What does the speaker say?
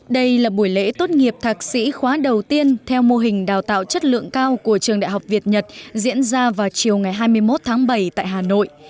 đây là buổi lễ tốt nghiệp thạc sĩ khóa đầu tiên theo mô hình đào tạo chất lượng cao của trường đại học việt nhật diễn ra vào chiều ngày hai mươi một tháng bảy tại hà nội